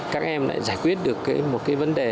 các em lại giải quyết được một cái vấn đề